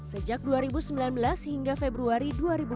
sejak dua ribu sembilan belas hingga februari dua ribu dua puluh